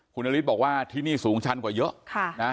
คุณนฤทธิบอกว่าที่นี่สูงชันกว่าเยอะ